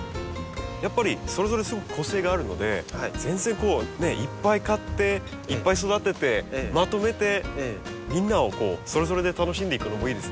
やっぱりそれぞれすごく個性があるので全然こういっぱい買っていっぱい育ててまとめてみんなをそれぞれで楽しんでいくのもいいですね。